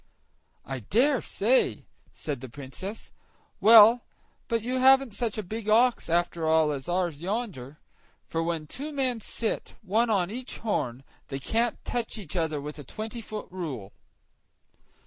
"I dare say," said the Princess. "Well, but you haven't such a big ox, after all, as ours yonder; for when two men sit, one on each horn, they can't touch each other with a tweny foot rule."